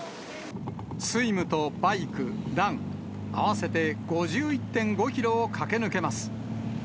スイムとバイク、ラン、合わせて５１．５キロを駆け抜けます。